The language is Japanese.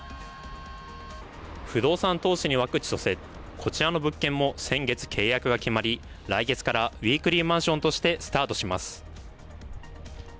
不動産投資に沸く千歳、こちらの物件も先月、契約が決まり、来月からウィークリーマンションとしてスタートします。